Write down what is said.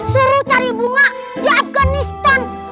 suruh cari bunga di afganistan